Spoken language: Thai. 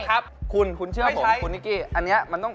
คุณเชื่อผมคุณนิกกี้